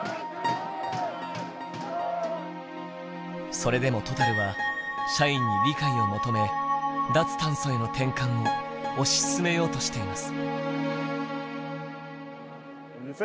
それでもトタルは社員に理解を求め脱炭素への転換を推し進めようとしています。